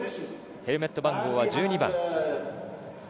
ヘルメット番号は１２番。